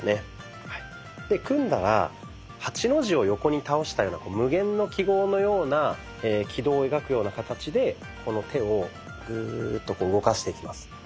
で組んだら８の字を横に倒したような無限の記号のような軌道を描くような形でこの手をグーッと動かしていきます。